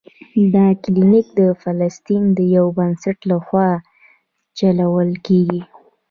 دا کلینک د فلسطین د یو بنسټ له خوا چلول کیږي.